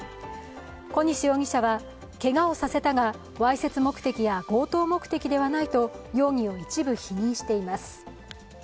小西容疑者は、けがをさせたが、わいせつ目的や強盗目的ではないと容疑を一部否認しています。